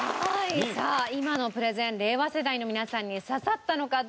さあ今のプレゼン令和世代の皆さんに刺さったのかどうか？